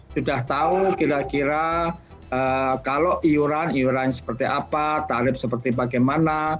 sudah tahu kira kira kalau iuran iuran seperti apa tarif seperti bagaimana